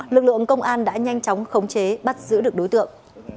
lực lượng công an đã nhanh chóng khống chế bắt giữ được đối tượng